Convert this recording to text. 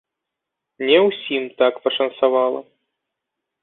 Не ўсім так пашанцавала.